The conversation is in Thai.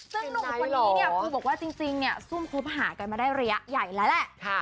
ซึ่งหนุ่มคนนี้เนี่ยคือบอกว่าจริงเนี่ยซุ่มคบหากันมาได้ระยะใหญ่แล้วแหละ